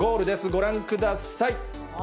ご覧ください。